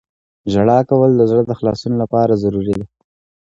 • ژړا کول د زړه د خلاصون لپاره ضروري ده.